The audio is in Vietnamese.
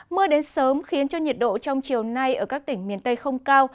mưa đến sớm khiến cho nhiệt độ trong chiều nay ở các tỉnh miền tây không cao